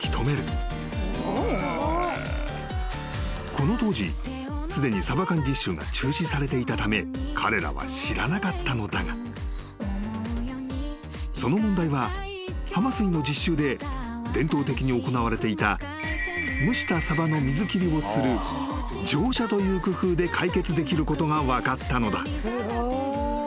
［この当時すでにサバ缶実習が中止されていたため彼らは知らなかったのだがその問題は浜水の実習で伝統的に行われていた蒸したサバの水切りをする蒸煮という工夫で解決できることが分かったのだ］